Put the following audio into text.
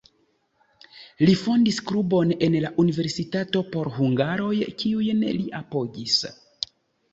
Li fondis klubon en la universitato por hungaroj, kiujn li apogis.